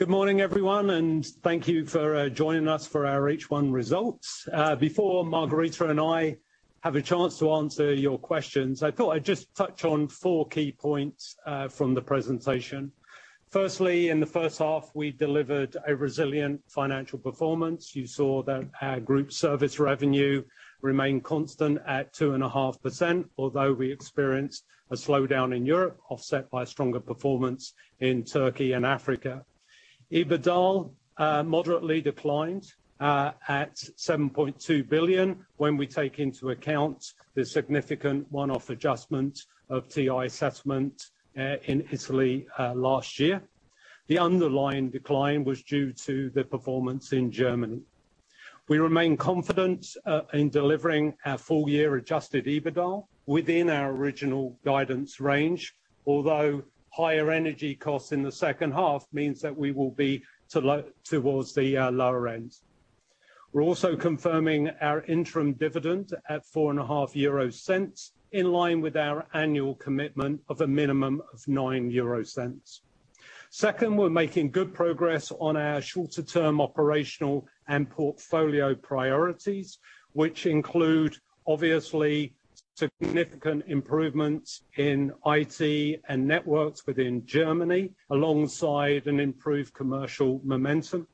Good morning, everyone, and thank you for joining us for our H1 results. Before Margherita and I have a chance to answer your questions, I thought I'd just touch on four key points from the presentation. Firstly, in the H1, we delivered a resilient financial performance. You saw that our group service revenue remained constant at 2.5%, although we experienced a slowdown in Europe, offset by stronger performance in Turkey and Africa. EBITDA moderately declined at 7.2 billion when we take into account the significant one-off adjustment of TI assessment in Italy last year. The underlying decline was due to the performance in Germany. We remain confident in delivering our full year adjusted EBITDA within our original guidance range, although higher energy costs in the H2 means that we will be towards the lower end. We're also confirming our interim dividend at 0.045, in line with our annual commitment of a minimum of 0.09. Second, we're making good progress on our shorter-term operational and portfolio priorities, which include obviously significant improvements in IT and networks within Germany, alongside an improved commercial momentum.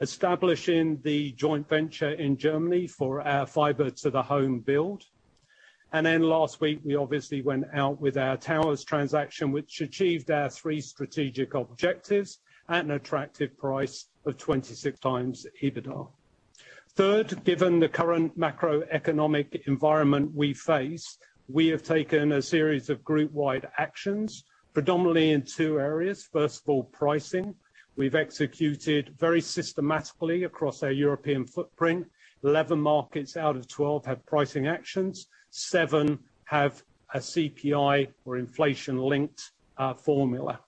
Establishing the joint venture in Germany for our Fiber to the Home build. Then last week, we obviously went out with our towers transaction, which achieved our three strategic objectives at an attractive price of 26x EBITDA. Third, given the current macroeconomic environment we face, we have taken a series of group-wide actions, predominantly in two areas. First of all, pricing. We've executed very systematically across our European footprint. 11 markets out of 12 have pricing actions. Seven have a CPI or inflation-linked formula.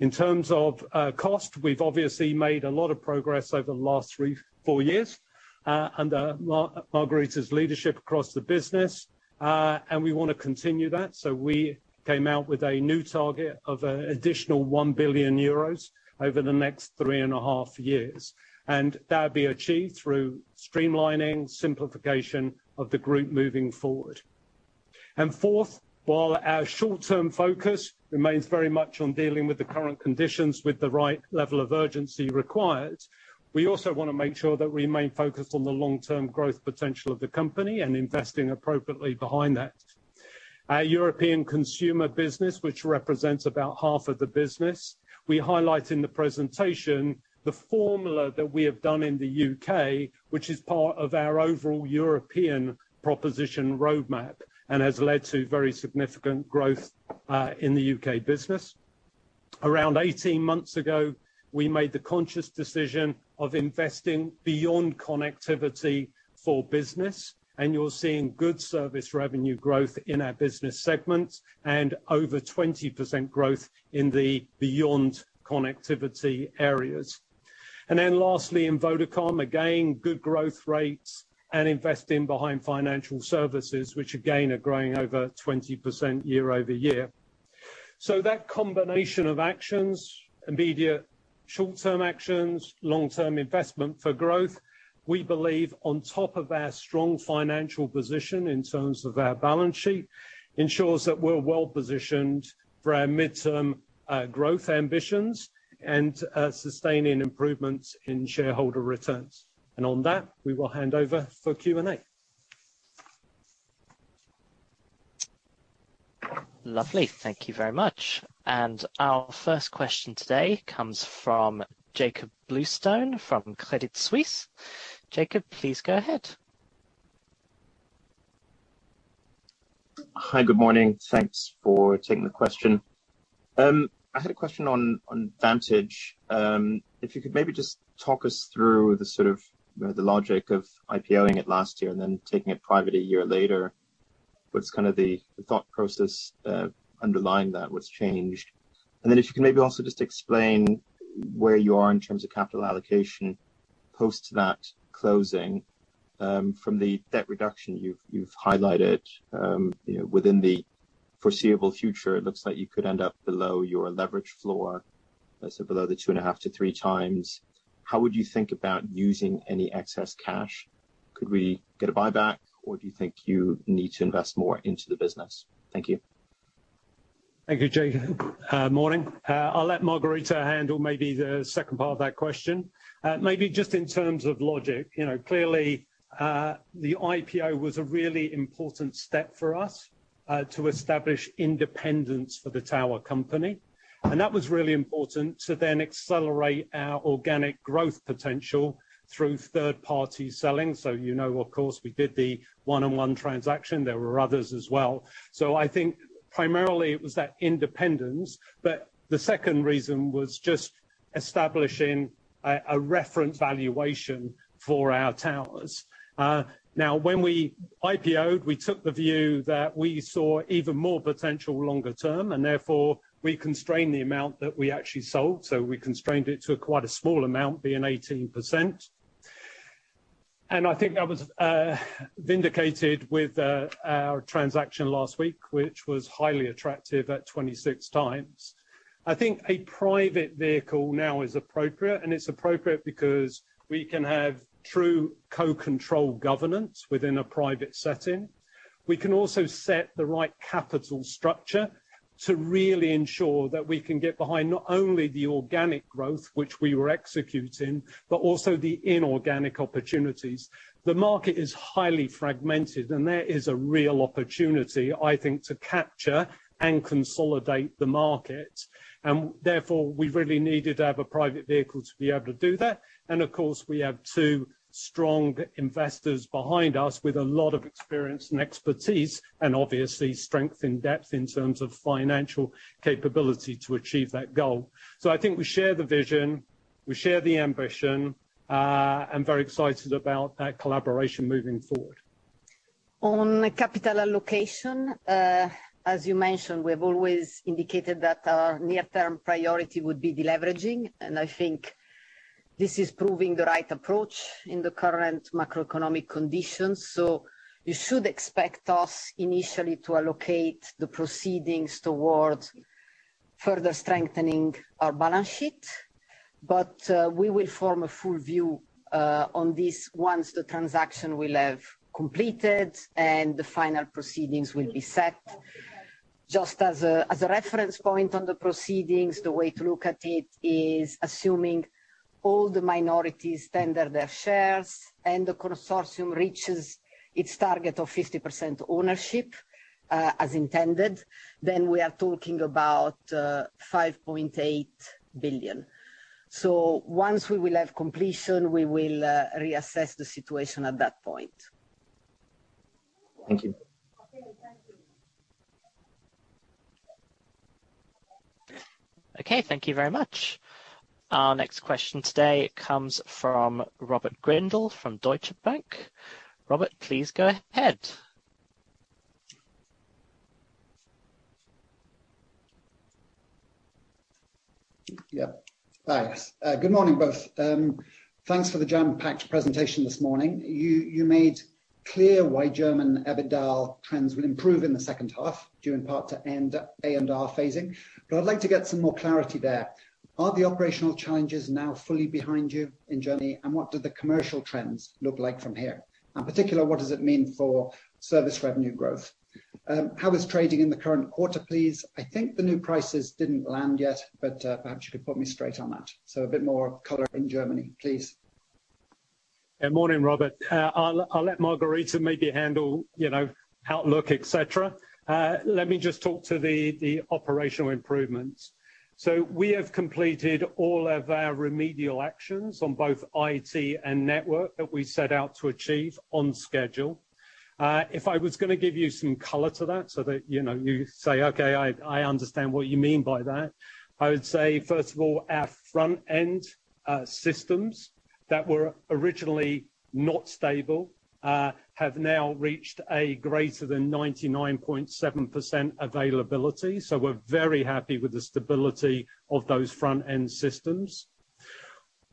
In terms of cost, we've obviously made a lot of progress over the last three-four years under Margherita's leadership across the business, and we wanna continue that. We came out with a new target of additional 1 billion euros over the next three and a half years. That will be achieved through streamlining, simplification of the group moving forward. Fourth, while our short-term focus remains very much on dealing with the current conditions with the right level of urgency required, we also wanna make sure that we remain focused on the long-term growth potential of the company and investing appropriately behind that. Our European consumer business, which represents about half of the business, we highlight in the presentation the formula that we have done in the U.K., which is part of our overall European proposition roadmap and has led to very significant growth in the U.K. business. Around 18 months ago, we made the conscious decision of investing beyond connectivity for business, and you're seeing good service revenue growth in our business segments and over 20% growth in the beyond connectivity areas. In Vodacom, again, good growth rates and investing behind financial services, which again are growing over 20% year-over-year. That combination of actions, immediate short-term actions, long-term investment for growth, we believe on top of our strong financial position in terms of our balance sheet, ensures that we're well-positioned for our midterm growth ambitions and sustaining improvements in shareholder returns. On that, we will hand over for Q&A. Lovely. Thank you very much. Our first question today comes from Jakob Bluestone from Credit Suisse. Jakob, please go ahead. Hi, good morning. Thanks for taking the question. I had a question on Vantage. If you could maybe just talk us through the sort of the logic of IPO-ed it last year and then taking it private a year later. What's kind of the thought process underlying that? What's changed? And then if you can maybe also just explain where you are in terms of capital allocation post that closing, from the debt reduction you've highlighted. You know, within the foreseeable future, it looks like you could end up below your leverage floor. Let's say below the 2.5-3x. How would you think about using any excess cash? Could we get a buyback, or do you think you need to invest more into the business? Thank you. Thank you, Jakob. Morning. I'll let Margherita handle maybe the second part of that question. Maybe just in terms of logic, you know, clearly, the IPO was a really important step for us to establish independence for the tower company. That was really important to then accelerate our organic growth potential through third-party selling. You know, of course, we did the 1&1 transaction. There were others as well. I think primarily it was that independence, but the second reason was just establishing a reference valuation for our towers. Now, when we IPO-ed, we took the view that we saw even more potential longer term, and therefore we constrained the amount that we actually sold, so we constrained it to quite a small amount being 18%. I think I was vindicated with our transaction last week, which was highly attractive at 26x. I think a private vehicle now is appropriate, and it's appropriate because we can have true co-control governance within a private setting. We can also set the right capital structure to really ensure that we can get behind not only the organic growth which we were executing, but also the inorganic opportunities. The market is highly fragmented, and there is a real opportunity, I think, to capture and consolidate the market. Therefore, we really needed to have a private vehicle to be able to do that. Of course, we have two strong investors behind us with a lot of experience and expertise and obviously strength in depth in terms of financial capability to achieve that goal. I think we share the vision, we share the ambition. I'm very excited about that collaboration moving forward. On capital allocation, as you mentioned, we have always indicated that our near-term priority would be deleveraging, and I think this is proving the right approach in the current macroeconomic conditions. You should expect us initially to allocate the proceeds towards further strengthening our balance sheet. We will form a full view on this once the transaction will have completed and the final proceeds will be set. Just as a reference point on the proceeds, the way to look at it is assuming all the minorities tender their shares and the consortium reaches its target of 50% ownership, as intended, then we are talking about 5.8 billion. Once we will have completion, we will reassess the situation at that point. Thank you. Okay, thank you very much. Our next question today comes from Robert Grindle from Deutsche Bank. Robert, please go ahead. Thanks. Good morning, both. Thanks for the jam-packed presentation this morning. You made clear why German EBITDA trends will improve in the H2, due in part to ARR phasing. But I'd like to get some more clarity there. Are the operational challenges now fully behind you in Germany, and what do the commercial trends look like from here? In particular, what does it mean for service revenue growth? How is trading in the current quarter, please? I think the new prices didn't land yet, but perhaps you could put me straight on that. A bit more color in Germany, please. Yeah, morning, Robert. I'll let Margherita maybe handle, you know, outlook, et cetera. Let me just talk to the operational improvements. We have completed all of our remedial actions on both IT and network that we set out to achieve on schedule. If I was gonna give you some color to that so that, you know, you say, "Okay, I understand what you mean by that." I would say, first of all, our front-end systems that were originally not stable have now reached a greater than 99.7% availability, so we're very happy with the stability of those front-end systems.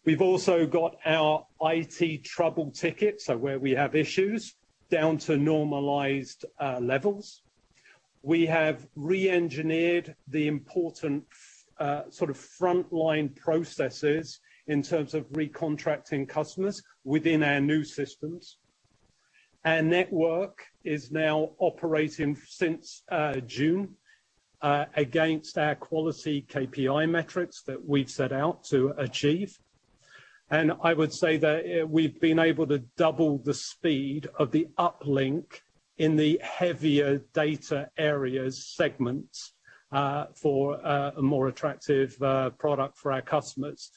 We've also got our IT trouble tickets, so where we have issues, down to normalized levels. We have reengineered the important sort of frontline processes in terms of recontracting customers within our new systems. Our network is now operating since June against our quality KPI metrics that we've set out to achieve. I would say that we've been able to double the speed of the uplink in the heavier data areas segments for a more attractive product for our customers.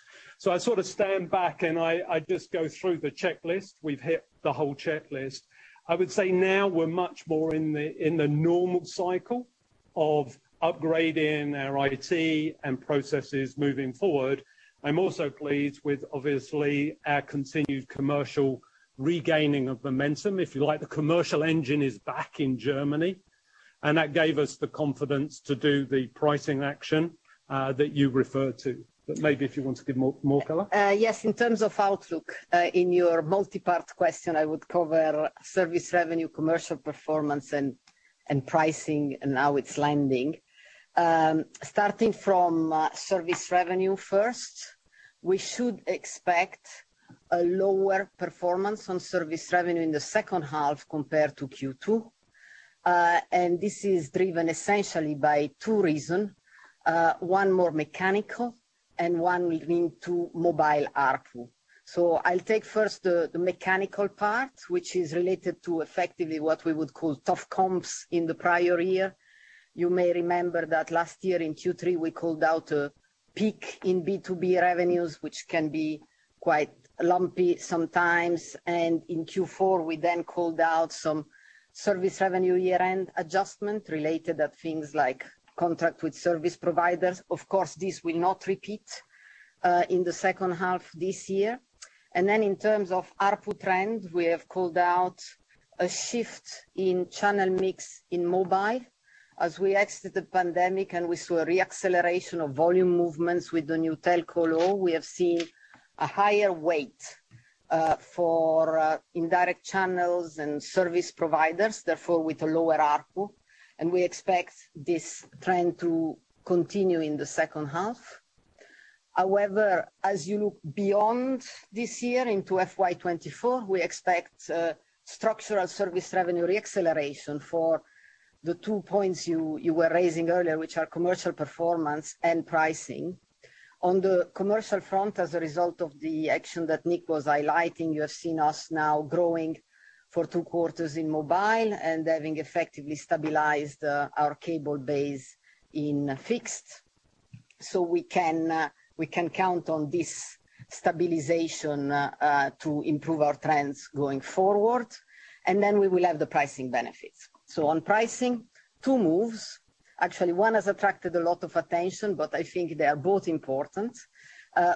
I sort of stand back and I just go through the checklist. We've hit the whole checklist. I would say now we're much more in the normal cycle of upgrading our IT and processes moving forward. I'm also pleased with obviously our continued commercial regaining of momentum. If you like, the commercial engine is back in Germany, and that gave us the confidence to do the pricing action that you refer to. Maybe if you want to give more color. Yes. In terms of outlook, in your multi-part question, I would cover service revenue, commercial performance, and pricing and how it's landing. Starting from service revenue first, we should expect a lower performance on service revenue in the H2 compared to Q2. This is driven essentially by two reasons, one more mechanical and one relating to mobile ARPU. I'll take first the mechanical part, which is related to effectively what we would call tough comps in the prior year. You may remember that last year in Q3, we called out a peak in B2B revenues, which can be quite lumpy sometimes. In Q4, we then called out some service revenue year-end adjustment related to things like contracts with service providers. Of course, this will not repeat in the H2 this year. In terms of ARPU trend, we have called out a shift in channel mix in mobile. As we exited the pandemic, and we saw a re-acceleration of volume movements with the new telco law, we have seen a higher weight for indirect channels and service providers, therefore with a lower ARPU, and we expect this trend to continue in the H2. However, as you look beyond this year into FY2024, we expect structural service revenue re-acceleration for the two points you were raising earlier, which are commercial performance and pricing. On the commercial front, as a result of the action that Nick was highlighting, you have seen us now growing for two quarters in mobile and having effectively stabilized our cable base in fixed. We can count on this stabilization to improve our trends going forward. We will have the pricing benefits. On pricing, two moves. Actually, one has attracted a lot of attention, but I think they are both important.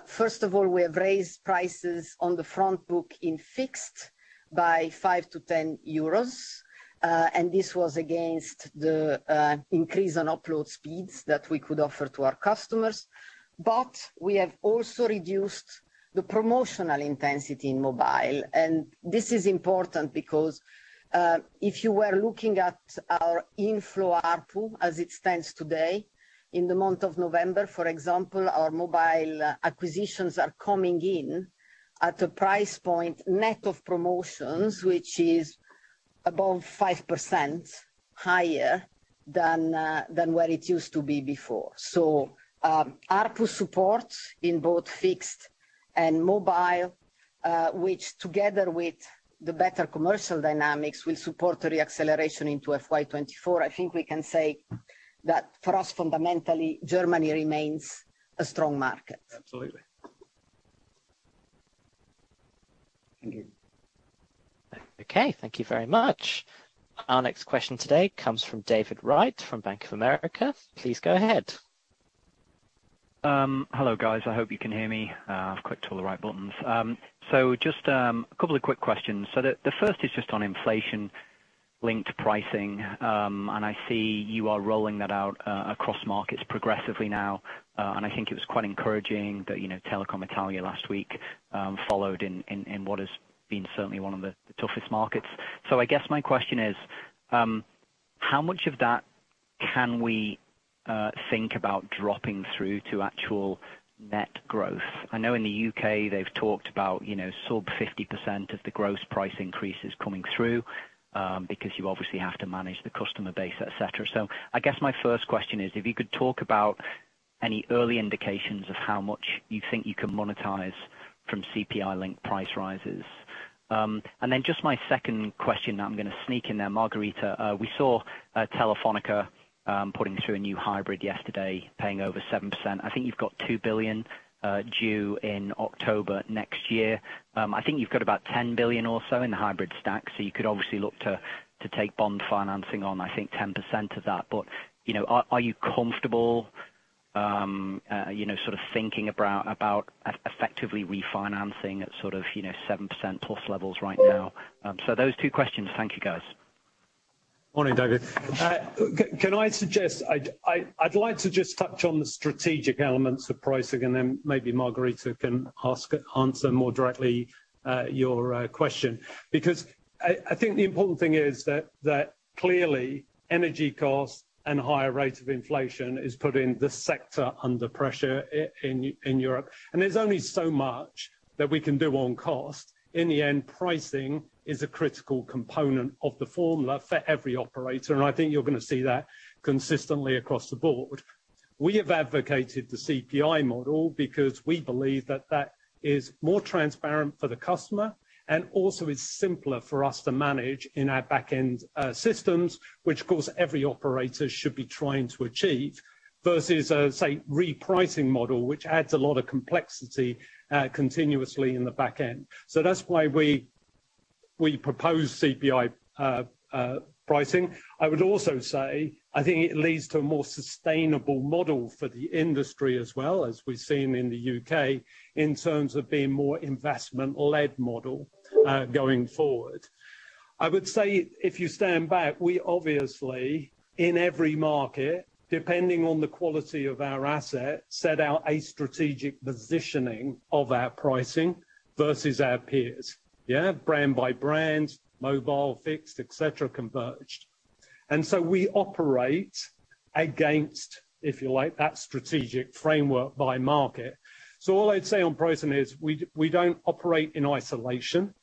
First of all, we have raised prices on the front book in fixed by 5-10 euros, and this was against the increase on upload speeds that we could offer to our customers. We have also reduced the promotional intensity in mobile. This is important because, if you were looking at our inflow ARPU as it stands today, in the month of November, for example, our mobile acquisitions are coming in at a price point net of promotions, which is above 5% higher than what it used to be before. ARPU support in both fixed and mobile, which together with the better commercial dynamics will support a re-acceleration into FY2024. I think we can say that for us, fundamentally, Germany remains a strong market. Absolutely. Thank you. Okay, thank you very much. Our next question today comes from David Wright from Bank of America. Please go ahead. Hello, guys. I hope you can hear me. I've clicked all the right buttons. Just a couple of quick questions. The first is just on inflation linked to pricing, and I see you are rolling that out across markets progressively now, and I think it was quite encouraging that, you know, Telecom Italia last week followed in what has been certainly one of the toughest markets. I guess my question is, how much of that can we think about dropping through to actual net growth? I know in the U.K. they've talked about, you know, sub 50% of the gross price increases coming through, because you obviously have to manage the customer base, et cetera. I guess my first question is if you could talk about any early indications of how much you think you can monetize from CPI-linked price rises. Just my second question that I'm gonna sneak in there, Margherita, we saw Telefónica putting through a new hybrid yesterday, paying over 7%. I think you've got 2 billion due in October next year. I think you've got about 10 billion or so in the hybrid stack, so you could obviously look to take bond financing on, I think, 10% of that. You know, are you comfortable, you know, sort of thinking about effectively refinancing at sort of, you know, 7%+ levels right now? Those two questions. Thank you, guys. Morning, David. Can I suggest I'd like to just touch on the strategic elements of pricing, and then maybe Margherita can answer more directly, your question. Because I think the important thing is that clearly energy costs and higher rates of inflation is putting the sector under pressure in Europe. There's only so much that we can do on cost. In the end, pricing is a critical component of the formula for every operator, and I think you're gonna see that consistently across the board. We have advocated the CPI model because we believe that that is more transparent for the customer and also is simpler for us to manage in our back-end systems, which of course every operator should be trying to achieve, versus a say, repricing model, which adds a lot of complexity continuously in the back end. That's why we propose CPI pricing. I would also say I think it leads to a more sustainable model for the industry as well, as we've seen in the U.K., in terms of being more investment-led model, going forward. I would say if you stand back, we obviously, in every market, depending on the quality of our asset, set out a strategic positioning of our pricing versus our peers. Yeah. Brand by brand, mobile, fixed, et cetera, converged. We operate against, if you like, that strategic framework by market. All I'd say on pricing is we don't operate in isolation.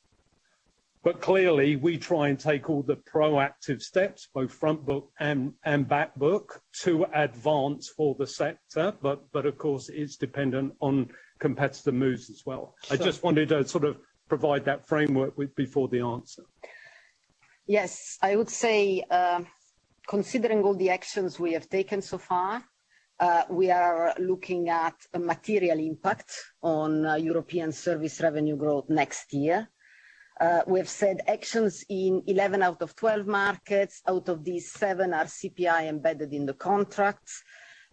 Clearly, we try and take all the proactive steps, both front book and back book, to advance for the sector. Of course, it's dependent on competitor moves as well. I just wanted to sort of provide that framework before the answer. Yes. I would say, considering all the actions we have taken so far, we are looking at a material impact on European service revenue growth next year. We have said actions in 11 out of 12 markets. Out of these, seven are CPI embedded in the contracts.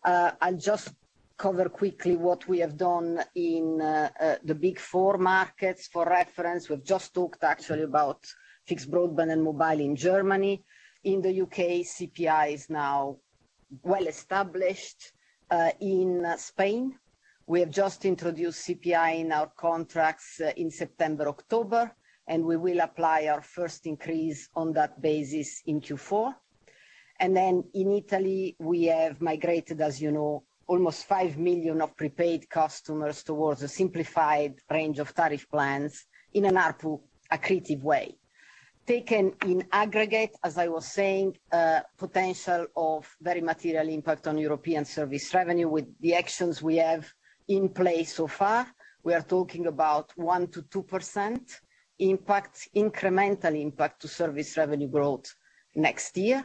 I'll just cover quickly what we have done in the big four markets for reference. We've just talked actually about fixed broadband and mobile in Germany. In the U.K., CPI is now well established. In Spain, we have just introduced CPI in our contracts in September, October, and we will apply our first increase on that basis in Q4. In Italy, we have migrated, as you know, almost 5 million of prepaid customers towards a simplified range of tariff plans in an ARPU-accretive way. Taken in aggregate, as I was saying, potential of very material impact on European service revenue with the actions we have in place so far. We are talking about 1%-2% impact, incremental impact to service revenue growth next year.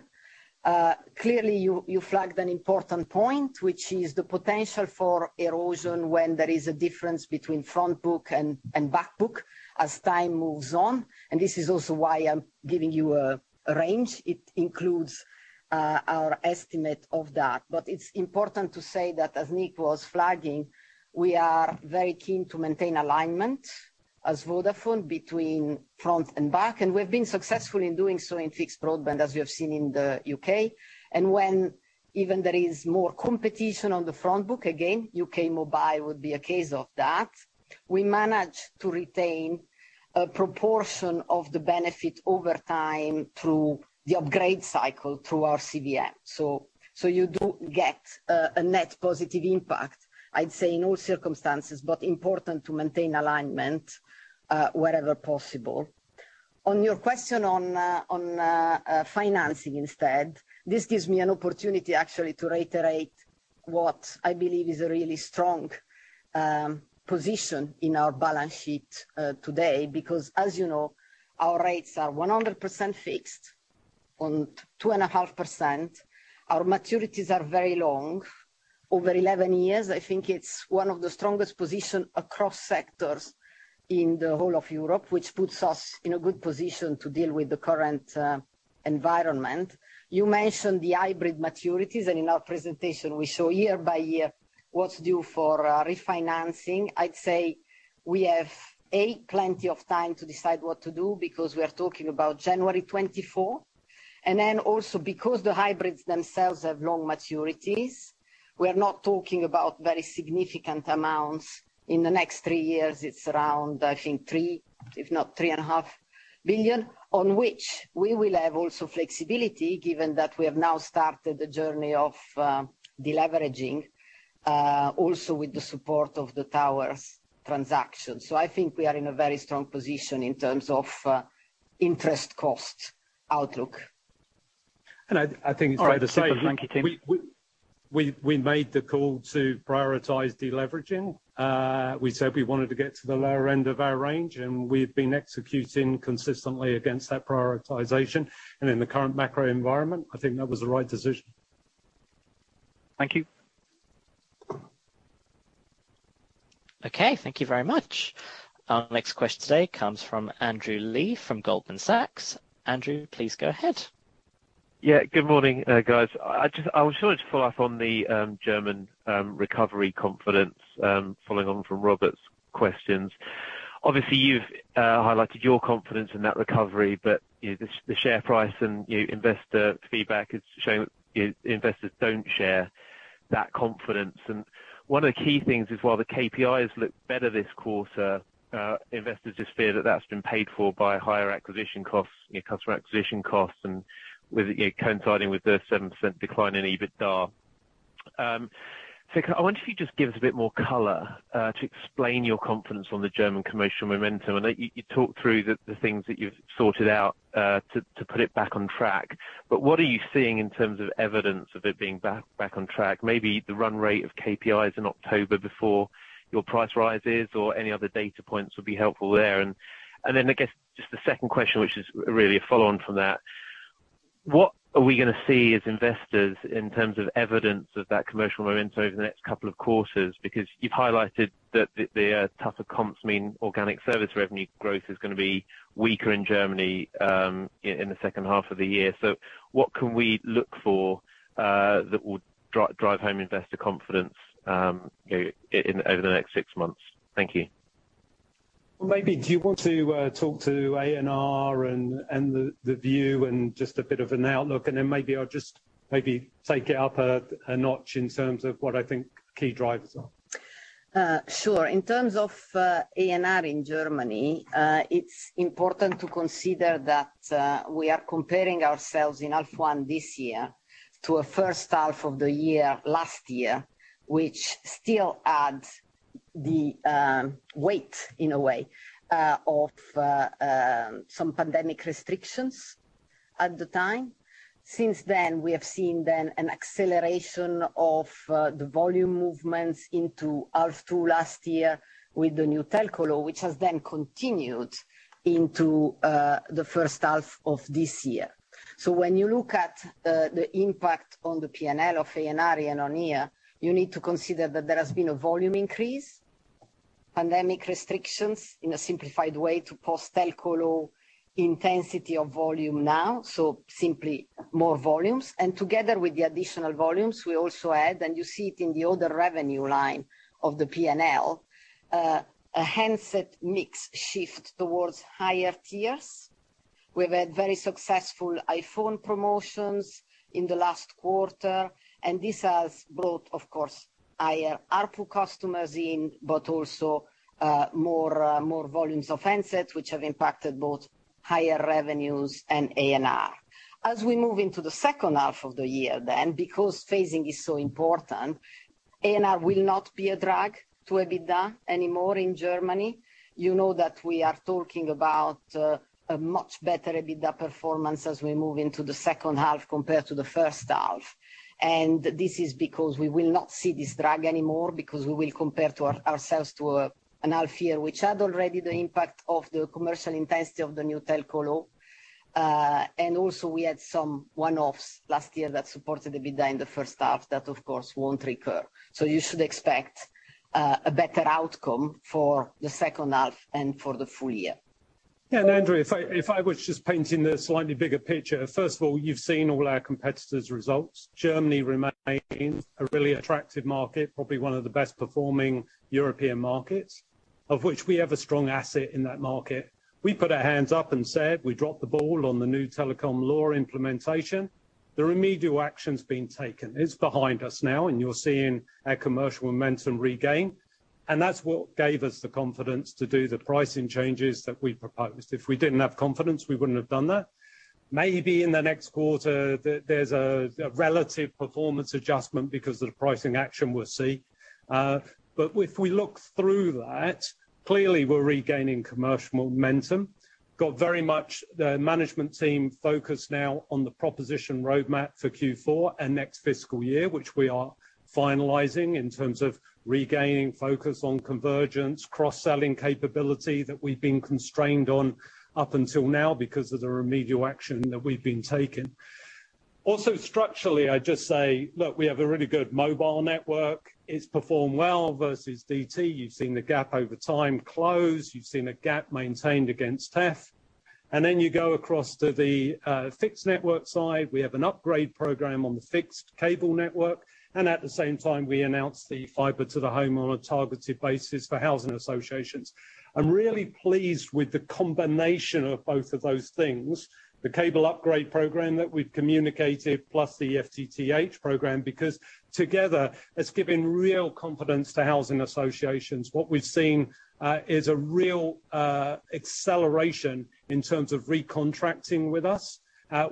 Clearly you flagged an important point, which is the potential for erosion when there is a difference between front book and back book as time moves on. This is also why I'm giving you a range. It includes our estimate of that. It's important to say that, as Nick was flagging, we are very keen to maintain alignment as Vodafone between front and back, and we've been successful in doing so in fixed broadband, as we have seen in the U.K. When even there is more competition on the front book, again, U.K. mobile would be a case of that, we manage to retain a proportion of the benefit over time through the upgrade cycle through our CVM. So you do get a net positive impact, I'd say in all circumstances, but important to maintain alignment wherever possible. On your question on financing instead, this gives me an opportunity actually to reiterate what I believe is a really strong position in our balance sheet today, because as you know, our rates are 100% fixed on 2.5%. Our maturities are very long, over 11 years. I think it's one of the strongest position across sectors in the whole of Europe, which puts us in a good position to deal with the current environment. You mentioned the hybrid maturities, and in our presentation we show year by year what's due for refinancing. I'd say we have plenty of time to decide what to do because we are talking about January 2024. Then also because the hybrids themselves have long maturities, we are not talking about very significant amounts. In the next three years, it's around, I think 3 billion, if not 3.5 billion, on which we will have also flexibility given that we have now started the journey of deleveraging also with the support of the towers transaction. I think we are in a very strong position in terms of interest cost outlook. I think it's fair to say. We made the call to prioritize deleveraging. We said we wanted to get to the lower end of our range, and we've been executing consistently against that prioritization. In the current macro environment, I think that was the right decision. Thank you. Okay, thank you very much. Our next question today comes from Andrew Lee from Goldman Sachs. Andrew, please go ahead. Yeah. Good morning, guys. I was trying to follow up on the German recovery confidence, following on from Robert's questions. Obviously, you've highlighted your confidence in that recovery, but, you know, the share price and, you know, investor feedback is showing investors don't share that confidence. One of the key things is, while the KPIs look better this quarter, investors just fear that that's been paid for by higher acquisition costs, you know, customer acquisition costs and with it, you know, coinciding with the 7% decline in EBITDA. I wonder if you just give us a bit more color to explain your confidence on the German commercial momentum. I know you talked through the things that you've sorted out to put it back on track, but what are you seeing in terms of evidence of it being back on track? Maybe the run rate of KPIs in October before your price rises or any other data points would be helpful there. I guess just the second question, which is really a follow on from that, what are we gonna see as investors in terms of evidence of that commercial momentum over the next couple of quarters? Because you've highlighted that the tougher comps mean organic service revenue growth is gonna be weaker in Germany in the H2 of the year. What can we look for that would drive home investor confidence over the next six months? Thank you. Maybe do you want to talk to ARR and the view and just a bit of an outlook, and then maybe I'll just take it up a notch in terms of what I think key drivers are. Sure. In terms of ARR in Germany, it's important to consider that we are comparing ourselves in half one this year to a H1 of the year last year, which still adds the weight, in a way, of some pandemic restrictions at the time. Since then, we have seen an acceleration of the volume movements into half two last year with the new Telecommunications Act, which has then continued into the H1 of this year. When you look at the impact on the P&L of ARR and on I&A, you need to consider that there has been a volume increase. Pandemic restrictions in a simplified way to post-Telecommunications Act intensity of volume now, so simply more volumes. Together with the additional volumes, we also add, and you see it in the other revenue line of the P&L, a handset mix shift towards higher tiers. We've had very successful iPhone promotions in the last quarter, and this has brought, of course, higher ARPU customers in, but also, more volumes of handsets which have impacted both higher revenues and ARR. As we move into the H2 of the year then, because phasing is so important, ARR will not be a drag to EBITDA anymore in Germany. You know that we are talking about a much better EBITDA performance as we move into the H2 compared to the H1. This is because we will not see this drag anymore because we will compare ourselves to a half year, which had already the impact of the commercial intensity of the new Telecommunications Act. Also, we had some one-offs last year that supported EBITDA in the first half. That, of course, won't recur. You should expect a better outcome for the H2 and for the full year. Yeah. Andrew, if I was just painting the slightly bigger picture. First of all, you've seen all our competitors' results. Germany remains a really attractive market, probably one of the best performing European markets, of which we have a strong asset in that market. We put our hands up and said we dropped the ball on the new telecom law implementation. The remedial action's been taken. It's behind us now, and you're seeing our commercial momentum regain. That's what gave us the confidence to do the pricing changes that we proposed. If we didn't have confidence, we wouldn't have done that. Maybe in the next quarter there's a relative performance adjustment because of the pricing action we'll see. If we look through that, clearly we're regaining commercial momentum. got very much the management team focused now on the proposition roadmap for Q4 and next fiscal year, which we are finalizing in terms of regaining focus on convergence, cross-selling capability that we've been constrained on up until now because of the remedial action that we've been taking. Also structurally, I'd just say, look, we have a really good mobile network. It's performed well versus DT. You've seen the gap over time close. You've seen a gap maintained against TF. You go across to the fixed network side. We have an upgrade program on the fixed cable network, and at the same time, we announced the Fiber to the Home on a targeted basis for housing associations. I'm really pleased with the combination of both of those things, the cable upgrade program that we've communicated plus the FTTH program, because together it's given real confidence to housing associations. What we've seen is a real acceleration in terms of recontracting with us.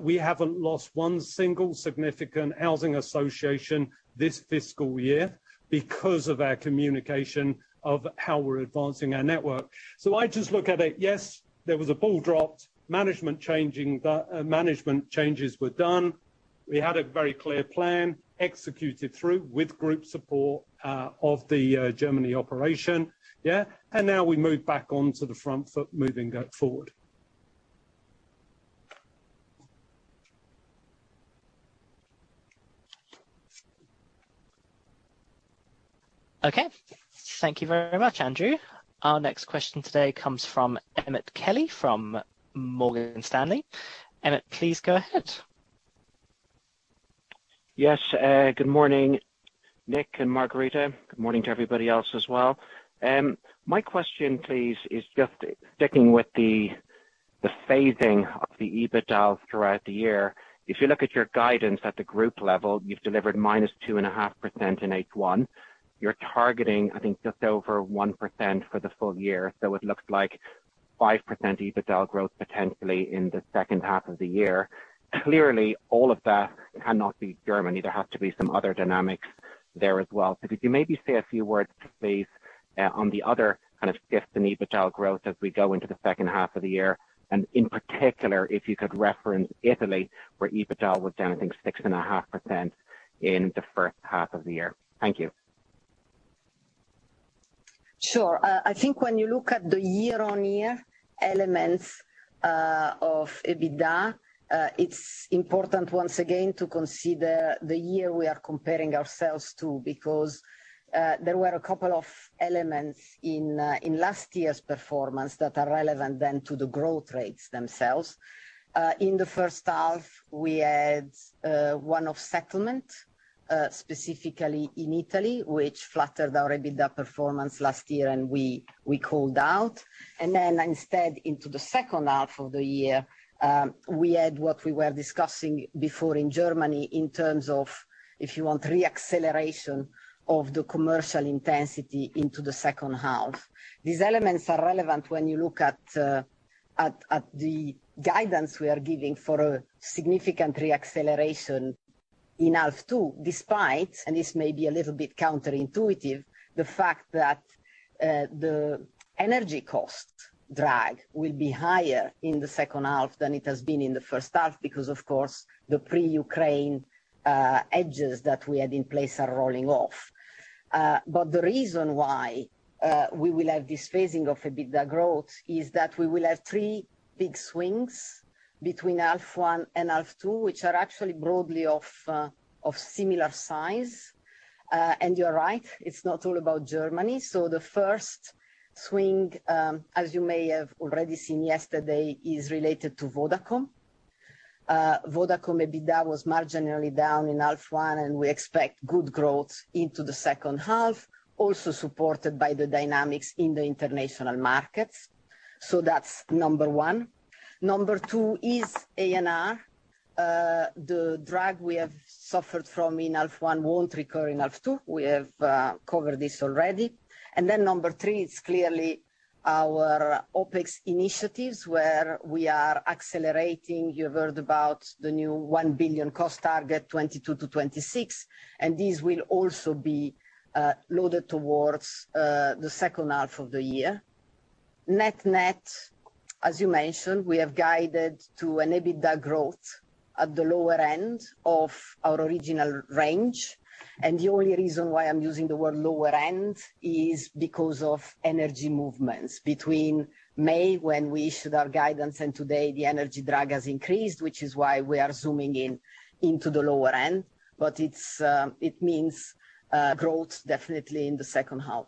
We haven't lost one single significant housing association this fiscal year because of our communication of how we're advancing our network. So I just look at it, yes, there was a ball dropped, management changes were done. We had a very clear plan, executed through with group support of the Germany operation. Yeah. Now we move back onto the front foot moving go-forward. Okay. Thank you very much, Andrew. Our next question today comes from Emmet Kelly from Morgan Stanley. Emmet, please go ahead. Yes. Good morning, Nick and Margherita. Good morning to everybody else as well. My question please is just sticking with the phasing of the EBITDAs throughout the year. If you look at your guidance at the group level, you've delivered -2.5% in H1. You're targeting, I think, just over 1% for the full year. It looks like 5% EBITDA growth potentially in the H2 of the year. Clearly, all of that cannot be Germany. There has to be some other dynamics there as well. Could you maybe say a few words please, on the other kind of shifts in EBITDA growth as we go into the H2 of the year? In particular, if you could reference Italy, where EBITDA was down, I think, 6.5% in the H1 of the year. Thank you. Sure. I think when you look at the year-on-year elements of EBITDA, it's important once again to consider the year we are comparing ourselves to because there were a couple of elements in last year's performance that are relevant then to the growth rates themselves. In the H1 we had one-off settlement specifically in Italy, which flattered our EBITDA performance last year, and we called out. Then instead into the H2 of the year, we had what we were discussing before in Germany in terms of, if you want, reacceleration of the commercial intensity into the H2. These elements are relevant when you look at the guidance we are giving for a significant reacceleration in half two, despite, and this may be a little bit counterintuitive, the fact that the energy cost drag will be higher in the H2 than it has been in the H1 because of course, the pre-Ukraine hedges that we had in place are rolling off. The reason why we will have this phasing of EBITDA growth is that we will have three big swings between half one and half two, which are actually broadly of similar size. You're right, it's not all about Germany. The first swing, as you may have already seen yesterday, is related to Vodacom. Vodacom EBITDA was marginally down in half one, and we expect good growth into the H2, also supported by the dynamics in the international markets. That's number one. Number two is ARR. The drag we have suffered from in half one won't recur in half two. We have covered this already. Number three, it's clearly our OpEx initiatives, where we are accelerating. You heard about the new 1 billion cost target, 2022-2026, and these will also be loaded towards the H2 of the year. Net-net, as you mentioned, we have guided to an EBITDA growth at the lower end of our original range. The only reason why I'm using the word lower end is because of energy movements. Between May, when we issued our guidance, and today, the energy drag has increased, which is why we are zooming in into the lower end. It means growth definitely in the H2.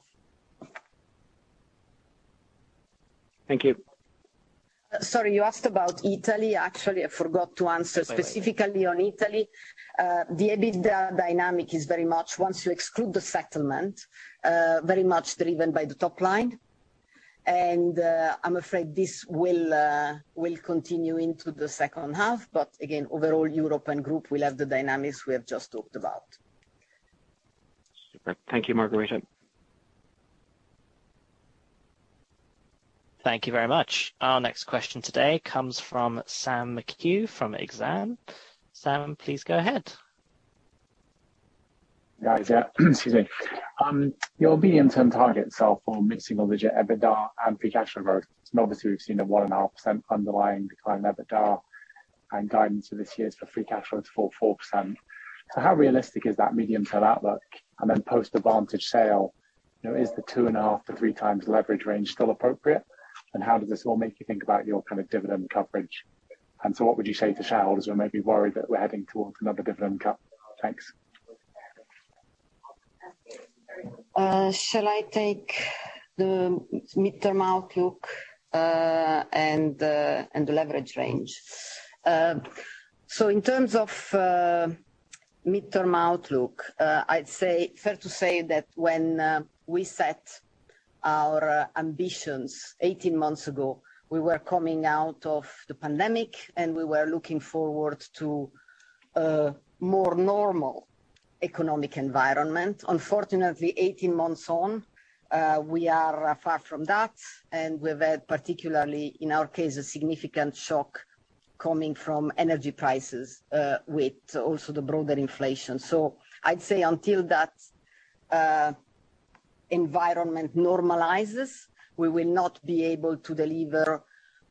Thank you. Sorry, you asked about Italy. Actually, I forgot to answer specifically on Italy. That's all right. The EBITDA dynamic is very much, once you exclude the settlement, very much driven by the top line. I'm afraid this will continue into the H2. Overall European group will have the dynamics we have just talked about. Super. Thank you, Margherita. Thank you very much. Our next question today comes from Sam McHugh from Exane. Sam, please go ahead. Guys, yeah. Excuse me. Your medium-term targets are for mix of the EBITDA and free cash flow. Obviously we've seen a 1.5% underlying decline in EBITDA and guidance for this year for free cash flow to fall 4%. How realistic is that medium-term outlook? Then post the Vantage Towers sale, you know, is the 2.5x-3x leverage range still appropriate? How does this all make you think about your kind of dividend coverage? What would you say to shareholders who may be worried that we're heading towards another dividend cut? Thanks. Shall I take the midterm outlook and the leverage range? In terms of midterm outlook, I'd say fair to say that when we set our ambitions 18 months ago, we were coming out of the pandemic, and we were looking forward to a more normal economic environment. Unfortunately, 18 months on, we are far from that, and we've had, particularly in our case, a significant shock coming from energy prices, with also the broader inflation. I'd say until that environment normalizes, we will not be able to deliver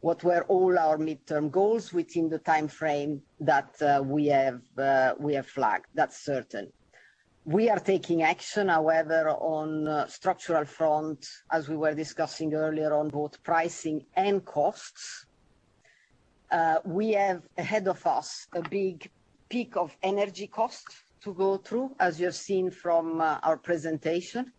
what were all our midterm goals within the timeframe that we have flagged. That's certain. We are taking action, however, on a structural front, as we were discussing earlier, on both pricing and costs. We have ahead of us a big peak of energy costs to go through, as you have seen from our presentation.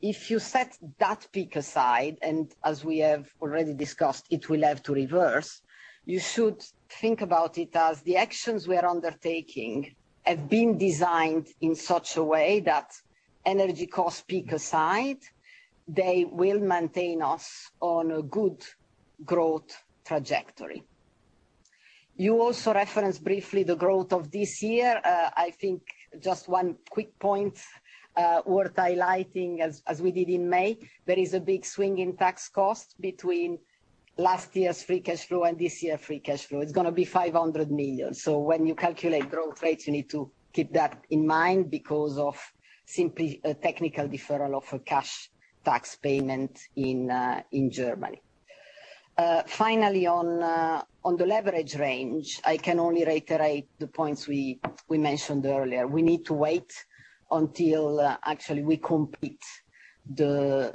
If you set that peak aside, and as we have already discussed, it will have to reverse, you should think about it as the actions we are undertaking have been designed in such a way that energy cost peak aside, they will maintain us on a good growth trajectory. You also referenced briefly the growth of this year. I think just one quick point worth highlighting, as we did in May, there is a big swing in tax costs between last year's free cash flow and this year free cash flow. It's gonna be 500 million. When you calculate growth rates, you need to keep that in mind because of simply a technical deferral of a cash tax payment in Germany. Finally on the leverage range, I can only reiterate the points we mentioned earlier. We need to wait until actually we complete the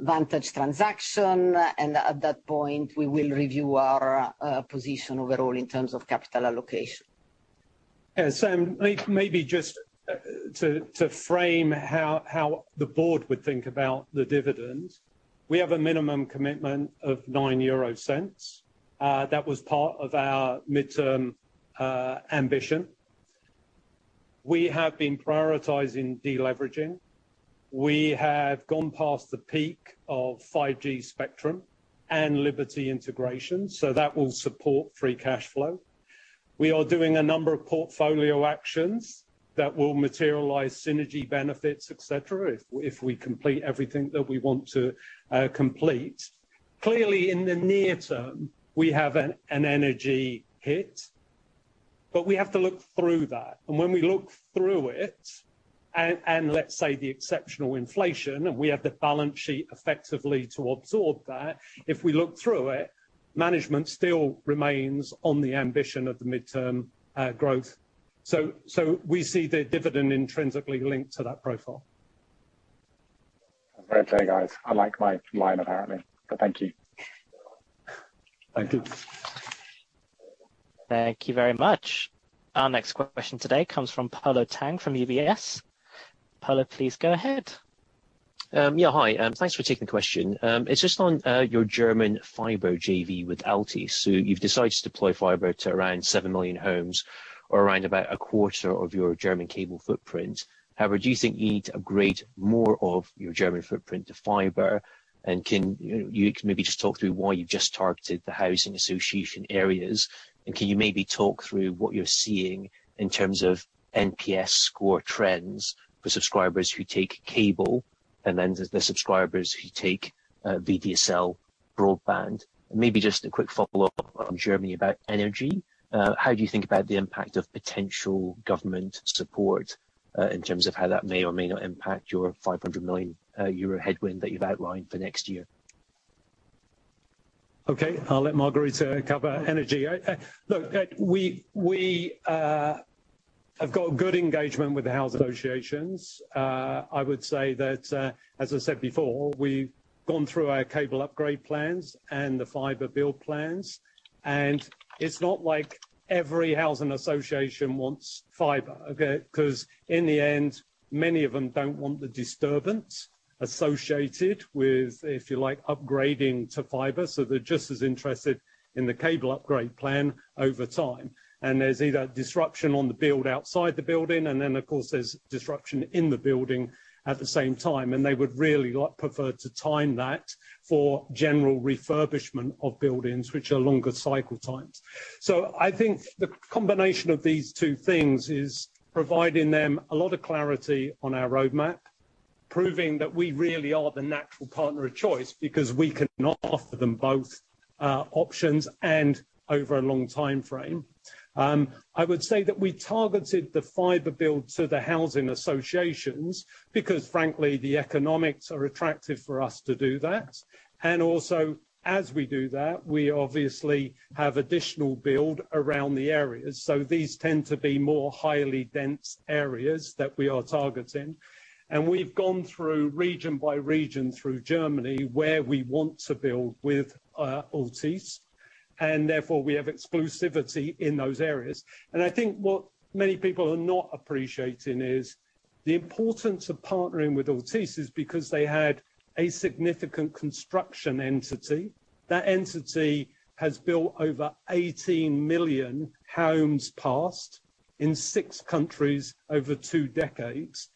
Vantage transaction, and at that point, we will review our position overall in terms of capital allocation. Yeah, Sam, maybe just to frame how the board would think about the dividends. We have a minimum commitment of 0.09. That was part of our midterm ambition. We have been prioritizing deleveraging. We have gone past the peak of 5G spectrum and Liberty integration, so that will support free cash flow. We are doing a number of portfolio actions that will materialize synergy benefits, et cetera, if we complete everything that we want to complete. Clearly, in the near term, we have an energy hit, but we have to look through that. When we look through it and let's say the exceptional inflation, and we have the balance sheet effectively to absorb that, if we look through it, management still remains on the ambition of the midterm growth. We see the dividend intrinsically linked to that profile. Fair play, guys. I like my line apparently, but thank you. Thank you. Thank you very much. Our next question today comes from Polo Tang from UBS. Polo, please go ahead. Yeah, hi. Thanks for taking the question. It's just on your German fiber JV with Altice. You've decided to deploy fiber to around 7 million homes or around about a quarter of your German cable footprint. However, do you think you need to upgrade more of your German footprint to fiber? Can, you know, you maybe just talk through why you've just targeted the housing association areas? Can you maybe talk through what you're seeing in terms of NPS score trends for subscribers who take cable and then the subscribers who take VDSL broadband? Maybe just a quick follow-up on Germany about energy. How do you think about the impact of potential government support in terms of how that may or may not impact your 500 million euro headwind that you've outlined for next year? Okay, I'll let Margherita cover energy. Look, we have got good engagement with the housing associations. I would say that, as I said before, we've gone through our cable upgrade plans and the fiber build plans, and it's not like every housing association wants fiber, okay? 'Cause in the end, many of them don't want the disturbance associated with, if you like, upgrading to fiber, so they're just as interested in the cable upgrade plan over time. There's either disruption on the build outside the building and then, of course, there's disruption in the building at the same time. They would really prefer to time that for general refurbishment of buildings, which are longer cycle times. I think the combination of these two things is providing them a lot of clarity on our roadmap, proving that we really are the natural partner of choice because we can now offer them both, options and over a long timeframe. I would say that we targeted the fiber build to the housing associations because frankly, the economics are attractive for us to do that. Also, as we do that, we obviously have additional build around the areas. These tend to be more highly dense areas that we are targeting. We've gone through region by region through Germany, where we want to build with Altice, and therefore we have exclusivity in those areas. I think what many people are not appreciating is the importance of partnering with Altice is because they had a significant construction entity. That entity has built over 18 million homes passed in six countries over two decades.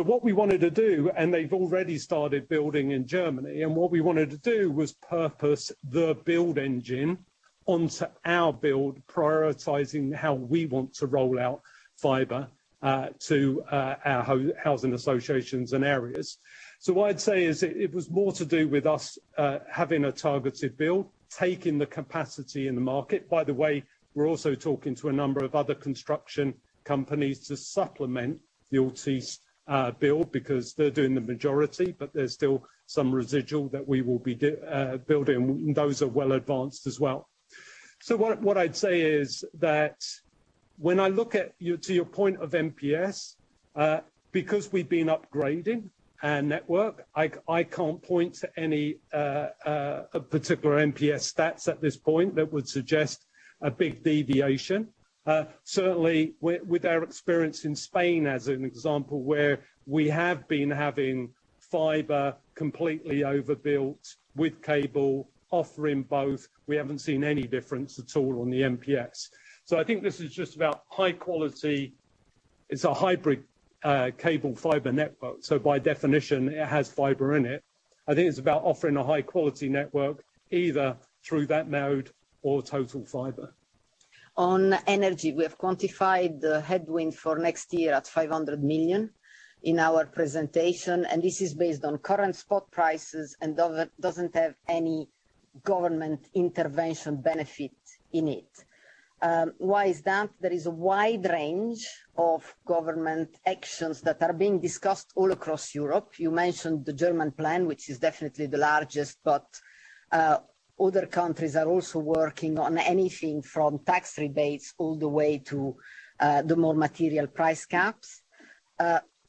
What we wanted to do, and they've already started building in Germany, and what we wanted to do was purpose the build engine onto our build, prioritizing how we want to roll out fiber to our housing associations and areas. What I'd say is it was more to do with us having a targeted build, taking the capacity in the market. By the way, we're also talking to a number of other construction companies to supplement the Altice build because they're doing the majority, but there's still some residual that we will be building, and those are well advanced as well. What I'd say is that when I look at your point of NPS, because we've been upgrading our network, I can't point to any particular NPS stats at this point that would suggest a big deviation. Certainly with our experience in Spain as an example, where we have been having fiber completely overbuilt with cable offering both, we haven't seen any difference at all on the NPS. I think this is just about high quality. It's a hybrid cable fiber network, so by definition, it has fiber in it. I think it's about offering a high-quality network either through that mode or total fiber. On energy, we have quantified the headwind for next year at 500 million in our presentation, and this is based on current spot prices and doesn't have any government intervention benefit in it. Why is that? There is a wide range of government actions that are being discussed all across Europe. You mentioned the German plan, which is definitely the largest, but other countries are also working on anything from tax rebates all the way to the more material price caps.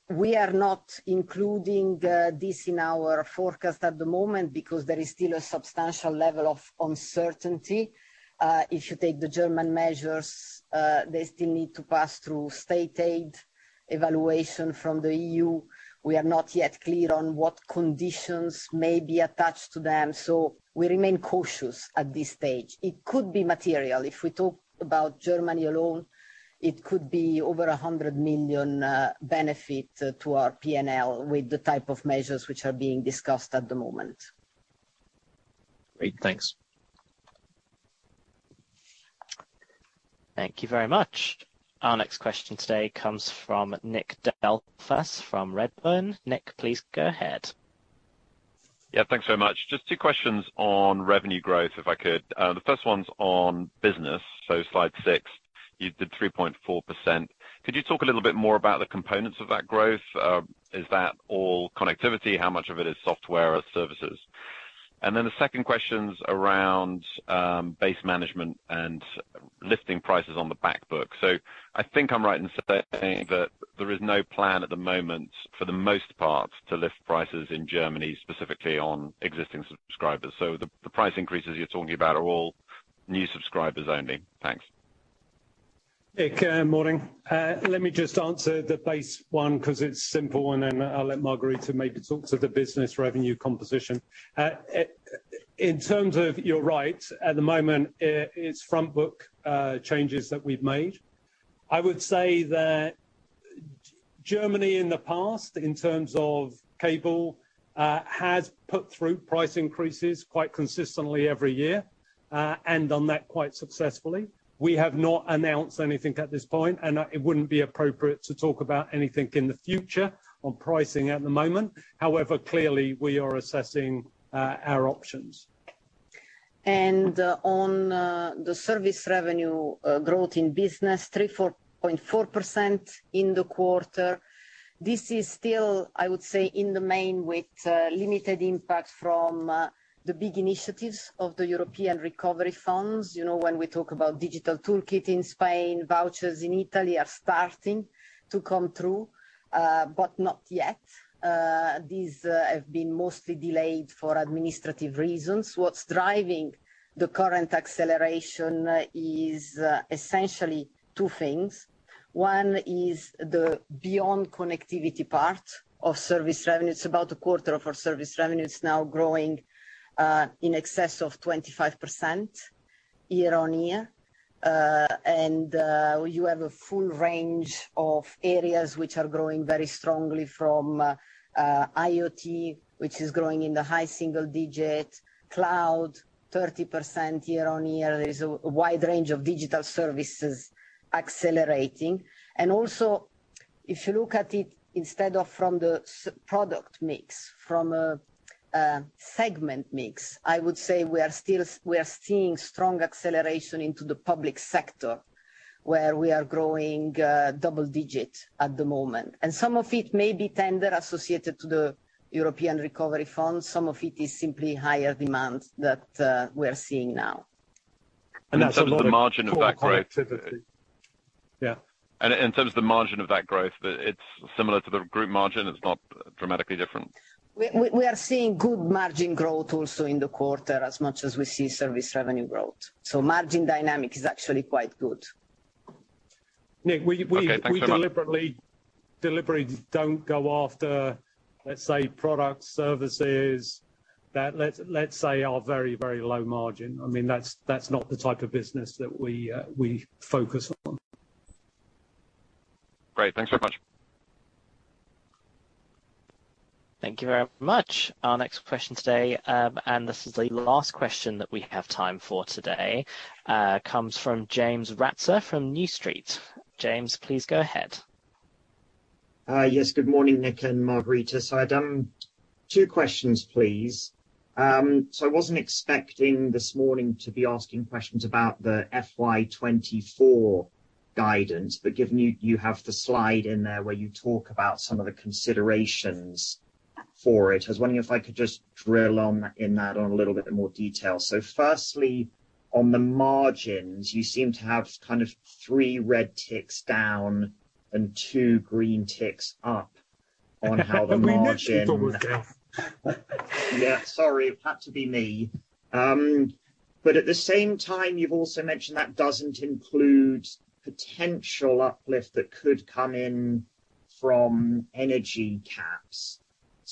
We are not including this in our forecast at the moment because there is still a substantial level of uncertainty. If you take the German measures, they still need to pass through state aid evaluation from the EU. We are not yet clear on what conditions may be attached to them, so we remain cautious at this stage. It could be material. If we talk about Germany alone, it could be over 100 million benefit to our P&L with the type of measures which are being discussed at the moment. Great. Thanks. Thank you very much. Our next question today comes from Nick Delfas from Redburn. Nick, please go ahead. Yeah, thanks very much. Just two questions on revenue growth, if I could. The first one's on business. Slide six, you did 3.4%. Could you talk a little bit more about the components of that growth? Is that all connectivity? How much of it is software or services? Then the second question's around base management and lifting prices on the back book. I think I'm right in saying that there is no plan at the moment, for the most part, to lift prices in Germany, specifically on existing subscribers. The price increases you're talking about are all new subscribers only? Thanks. Nick, morning. Let me just answer the base one 'cause it's simple, and then I'll let Margherita maybe talk to the business revenue composition. You're right. At the moment, it's front book changes that we've made. I would say that Germany in the past, in terms of cable, has put through price increases quite consistently every year, and on that quite successfully. We have not announced anything at this point, and it wouldn't be appropriate to talk about anything in the future on pricing at the moment. However, clearly we are assessing our options. On the service revenue growth in business, 3.4% in the quarter, this is still, I would say, in the main with limited impact from the big initiatives of the European recovery funds. You know, when we talk about Digital Toolkit in Spain, vouchers in Italy are starting to come through, but not yet. These have been mostly delayed for administrative reasons. What's driving the current acceleration is essentially two things. One is the beyond connectivity part of service revenue. It's about a quarter of our service revenue is now growing in excess of 25% year-over-year. You have a full range of areas which are growing very strongly from IoT, which is growing in the high single digit. Cloud, 30% year-over-year. There's a wide range of digital services accelerating. If you look at it, instead of from a segment mix, I would say we are seeing strong acceleration into the public sector, where we are growing double digit at the moment. Some of it may be tender associated to the European recovery funds. Some of it is simply higher demand that we are seeing now. In terms of the margin of that growth. Yeah. In terms of the margin of that growth, it's similar to the group margin, it's not dramatically different? We are seeing good margin growth also in the quarter as much as we see service revenue growth. Margin dynamic is actually quite good. Nick, we Okay. Thanks very much. We deliberately don't go after, let's say, product services that, let's say, are very, very low margin. I mean, that's not the type of business that we focus on. Great. Thanks very much. Thank you very much. Our next question today, and this is the last question that we have time for today, comes from James Ratzer from New Street. James, please go ahead. Good morning, Nick and Margherita Della Valle. I'd two questions, please. I wasn't expecting this morning to be asking questions about the FY2024 guidance, but given you have the slide in there where you talk about some of the considerations for it, I was wondering if I could just drill down on that a little bit more detail. Firstly, on the margins, you seem to have kind of three red ticks down and two green ticks up on how the margin- We knew she thought was there. Yeah, sorry. It had to be me. But at the same time, you've also mentioned that doesn't include potential uplift that could come in from energy caps.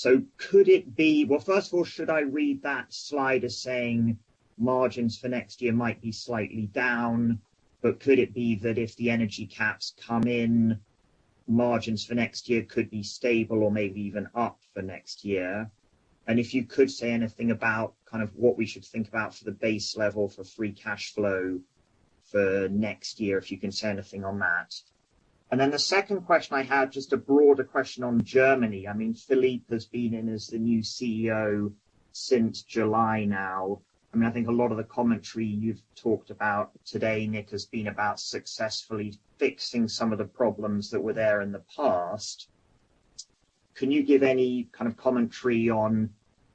Well, first of all, should I read that slide as saying margins for next year might be slightly down, but could it be that if the energy caps come in, margins for next year could be stable or maybe even up for next year? If you could say anything about kind of what we should think about for the base level for free cash flow for next year, if you can say anything on that. The second question I had, just a broader question on Germany. I mean, Philippe has been in as the new CEO since July now. I mean, I think a lot of the commentary you've talked about today, Nick, has been about successfully fixing some of the problems that were there in the past. Can you give any kind of commentary on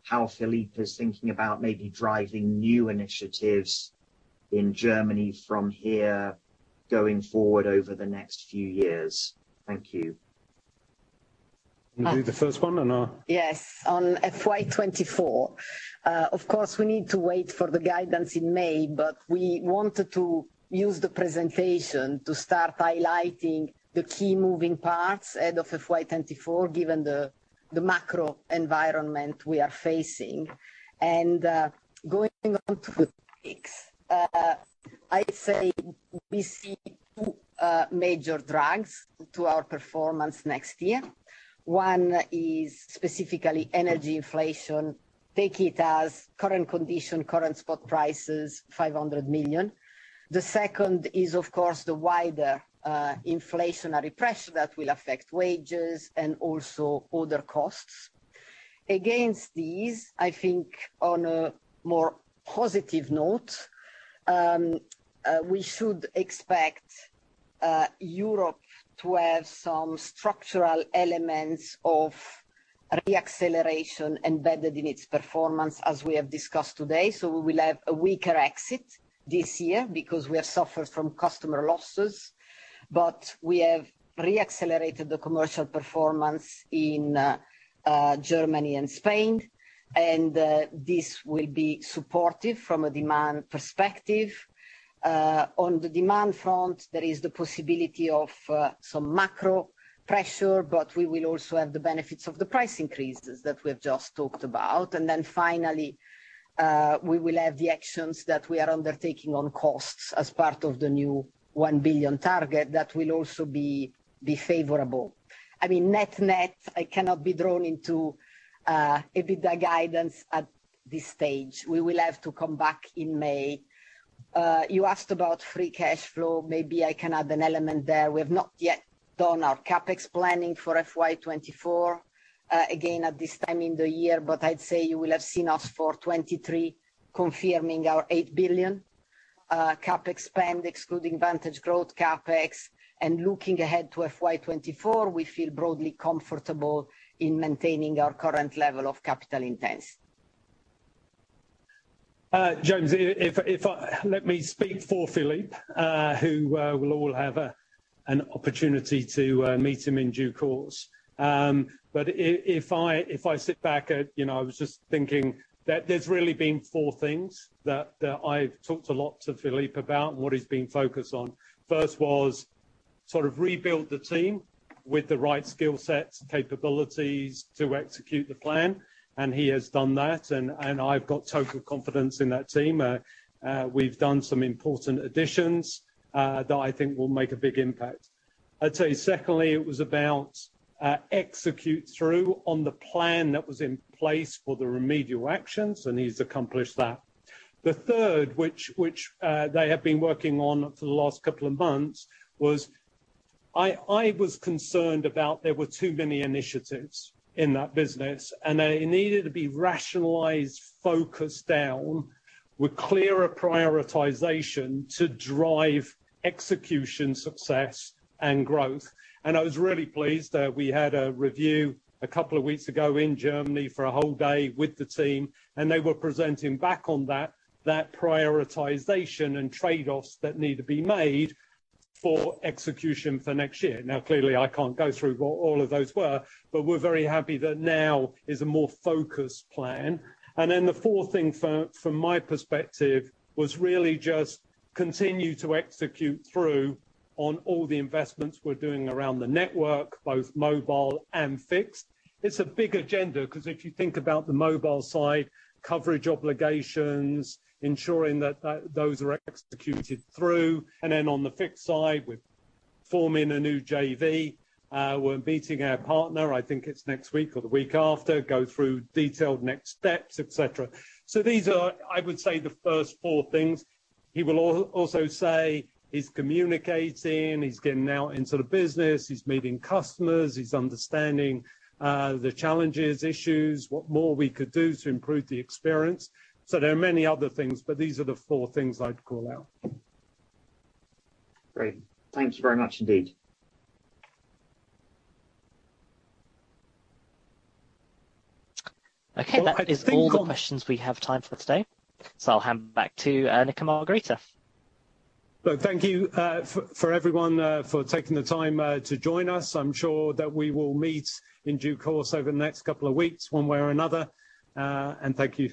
how Philippe is thinking about maybe driving new initiatives in Germany from here going forward over the next few years? Thank you. You do the first one or no? Yes. On FY2024, of course, we need to wait for the guidance in May, but we wanted to use the presentation to start highlighting the key moving parts ahead of FY2024, given the macro environment we are facing. Going on to the mix, I'd say we see two major drags to our performance next year. One is specifically energy inflation. Take it as current condition, current spot price is 500 million. The second is, of course, the wider inflationary pressure that will affect wages and also other costs. Against these, I think on a more positive note, we should expect Europe to have some structural elements of re-acceleration embedded in its performance, as we have discussed today. We will have a weaker exit this year because we have suffered from customer losses, but we have re-accelerated the commercial performance in Germany and Spain, and this will be supportive from a demand perspective. On the demand front, there is the possibility of some macro pressure, but we will also have the benefits of the price increases that we have just talked about. Then finally, we will have the actions that we are undertaking on costs as part of the new 1 billion target that will also be favorable. I mean, net-net, I cannot be drawn into EBITDA guidance at this stage. We will have to come back in May. You asked about free cash flow. Maybe I can add an element there. We have not yet done our CapEx planning for FY2024, again at this time in the year, but I'd say you will have seen us for FY2023 confirming our 8 billion CapEx spend, excluding Vantage growth CapEx. Looking ahead to FY2024, we feel broadly comfortable in maintaining our current level of capital intensity. James, let me speak for Philippe, who we'll all have an opportunity to meet him in due course. If I sit back and, you know, I was just thinking that there's really been four things that I've talked a lot to Philippe about and what he's been focused on. First was sort of rebuild the team with the right skill sets, capabilities to execute the plan, and he has done that, and I've got total confidence in that team. We've done some important additions that I think will make a big impact. I'd say secondly, it was about execute on the plan that was in place for the remedial actions, and he's accomplished that. The third they have been working on for the last couple of months was I was concerned about there were too many initiatives in that business. They needed to be rationalized, focused down with clearer prioritization to drive execution success and growth. I was really pleased that we had a review a couple of weeks ago in Germany for a whole day with the team, and they were presenting back on that prioritization and trade-offs that need to be made for execution for next year. Now, clearly, I can't go through what all of those were, but we're very happy that now is a more focused plan. Then the fourth thing from my perspective was really just continue to execute through on all the investments we're doing around the network, both mobile and fixed. It's a big agenda because if you think about the mobile side, coverage obligations, ensuring that those are executed through, and then on the fixed side, we're forming a new JV. We're meeting our partner, I think it's next week or the week after, go through detailed next steps, et cetera. So these are, I would say, the first four things. He will also say he's communicating, he's getting out into the business, he's meeting customers, he's understanding the challenges, issues, what more we could do to improve the experience. So there are many other things, but these are the four things I'd call out. Great. Thank you very much indeed. Okay. That is all the questions we have time for today. I'll hand back to Margherita Della Valle. Well, thank you to everyone for taking the time to join us. I'm sure that we will meet in due course over the next couple of weeks, one way or another. Thank you.